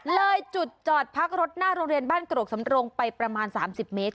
เลยจุดจอดพักรถหน้าโรงเรียนบ้านกรกสำรงไปประมาณ๓๐เมตร